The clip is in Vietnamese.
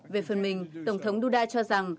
về phần mình tổng thống duda cho rằng